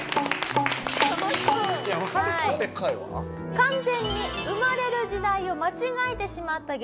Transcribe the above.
完全に生まれる時代を間違えてしまった激